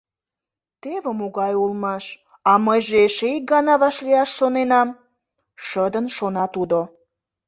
«Теве могай улмаш, а мыйже эше ик гана вашлияш шоненам, — шыдын шона тудо.